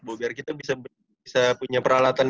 bu biar kita bisa punya peralatan